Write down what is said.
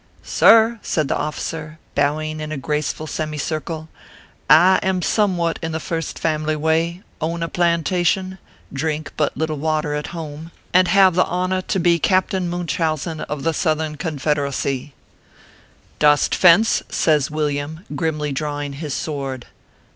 "Sir," said the officer, bowing in a graceful semi circle, "I am somewhat in the First Family way, own a plantation, drink but little water at home, and 264 ORPHEUS C. KERR PAPERS. have the honor to be Captain Munchausen, of the Southern Confederacy/ " Dost fence ?" says Villiam, grimly drawing his sword.